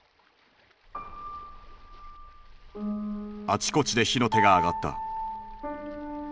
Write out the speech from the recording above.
あちこちで火の手が上がった。